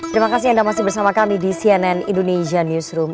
terima kasih anda masih bersama kami di cnn indonesia newsroom